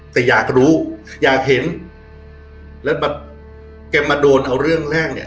แต่อยากรู้อยากเห็นแล้วแบบแกมาโดนเอาเรื่องแรกเนี่ย